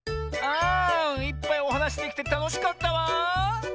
あいっぱいおはなしできてたのしかったわ。